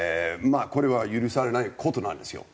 まあこれは許されない事なんですよ。